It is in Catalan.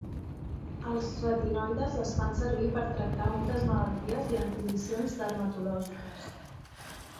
Els retinoides es fan servir per tractar moltes malalties i en condicions dermatològiques.